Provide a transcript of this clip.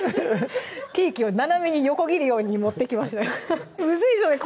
ケーキを斜めに横切るようにもってきますむずいですね